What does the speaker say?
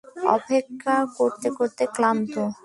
অপেক্ষা করতে করতে ক্লান্ত।